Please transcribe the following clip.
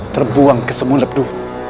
terbuang ke semunapdu